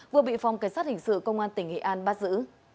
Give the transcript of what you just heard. vừa bị phòng cảnh sát hình sự công an tỉnh nghệ an bắt giữ